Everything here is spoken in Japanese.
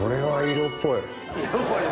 色っぽい。